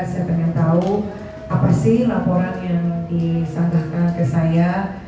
saya pengen tahu apa sih laporan yang disampaikan ke saya